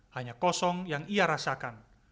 hanya kosong yang ia rasakan